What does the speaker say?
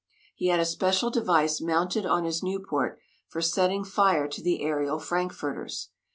He had a special device mounted on his Nieuport for setting fire to the aërial frankfurters.